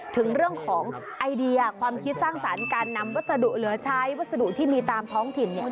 ถึงเรื่องของไอเดียความคิดสร้างสรรค์การนำวัสดุเหลือใช้วัสดุที่มีตามท้องถิ่นเนี่ย